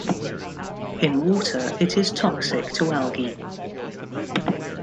In water, it is toxic to algae.